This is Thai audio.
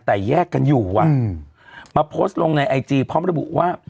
แต่แยกกันอยู่อ่ะมาโพสต์ลงในไอจีพร้อมระบุว่า